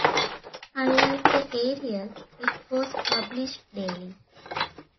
Unlike the "Ariel", it was published daily.